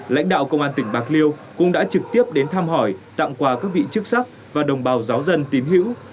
lãnh đạo công an tỉnh bạc liêu cũng đã trực tiếp đến thăm hỏi tặng quà các vị chức sắc và đồng bào giáo dân tín hữu